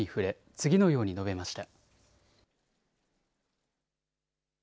次のように述べました。